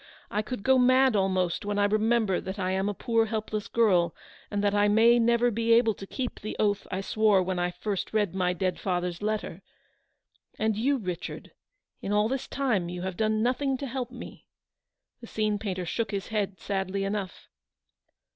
I could go mad, almost, when I remember that I am a poor helpless girl, and that I may never be able to keep the oath I swore when I first read my dead father's letter. And you, Richard, in all this time you have done nothing to help me." The scene painter shook his head sadly enough.